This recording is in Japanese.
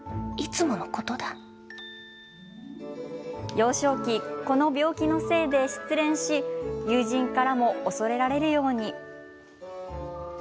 幼少期、この病気のせいで失恋し友人からも恐れられるように。